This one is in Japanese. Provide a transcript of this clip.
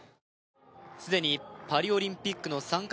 すでにパリオリンピックの参加